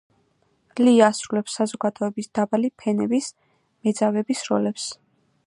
ლი ასრულებს საზოგადოების დაბალი ფენების, მეძავების როლებს.